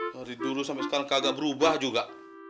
dari dulu sampai sekarang kagak berubah juga